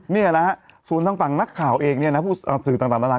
เนี่ยนะฮะฟูลทางฟังนักข่าวเองผู้สื่อต่างนานา